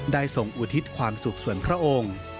ส่งอุทิศความสุขส่วนพระองค์